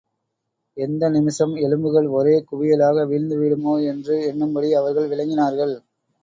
எந்த நிமிஷம் எலும்புகள் ஒரே குவியலாக வீழ்ந்துவிடுமோ என்று எண்ணும்படி அவர்கள் விளங்கினார்கள்.